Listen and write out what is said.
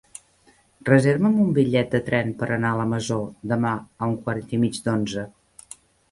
Reserva'm un bitllet de tren per anar a la Masó demà a un quart i mig d'onze.